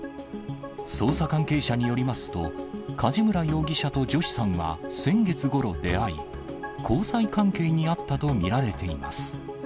捜査関係者によりますと、梶村容疑者とジョシさんは先月ごろ出会い、交際関係にあったと見られています。